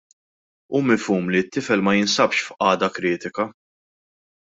Hu mifhum li t-tifel ma jinsabx f'qagħda kritika.